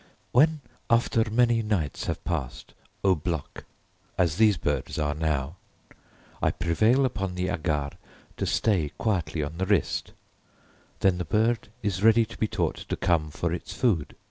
When, after many nights passed au bloc as these birds are now, I prevail upon the hagard to stay quietly on the wrist, then the bird is ready to be taught to come for its food.